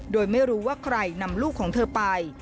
โดยไม่รู้ว่าใครนำลูกของเธอไป